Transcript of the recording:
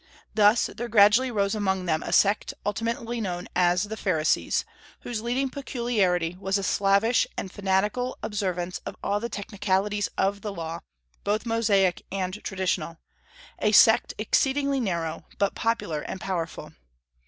Thus there gradually arose among them a sect ultimately known as the Pharisees, whose leading peculiarity was a slavish and fanatical observance of all the technicalities of the law, both Mosaic and traditional; a sect exceedingly narrow, but popular and powerful.